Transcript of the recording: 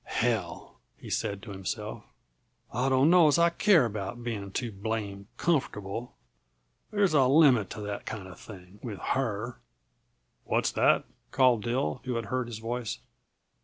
"Hell!" he said to himself. "I don't know as I care about being too blame comfortable. There's a limit to that kinda thing with her!" "What's that?" called Dill, who had heard his voice.